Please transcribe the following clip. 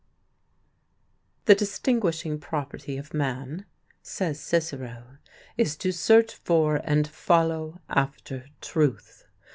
"The distinguishing property of man," says Cicero, "is to search for and follow after truth.